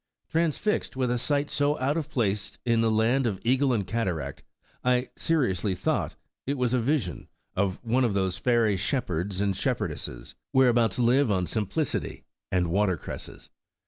Transfixed with a sight so out of place in the land of the eagle and cataract, T seriously thought it was a vision of: *One of those fairy shepherds and shepherdesses, Wlio hereabout live on simplicity and water cresses.'